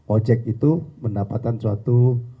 ojek itu mendapatkan suatu